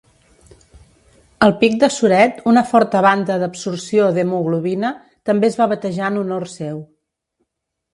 El pic de Soret, una forta banda d'absorció d'hemoglobina, també es va batejar en honor seu.